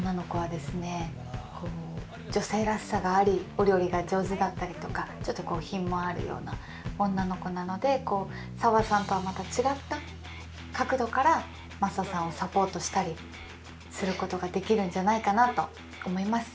女性らしさがありお料理が上手だったりとかちょっとこう品もあるような女の子なので沙和さんとはまた違った角度からマサさんをサポートしたりすることができるんじゃないかなと思います。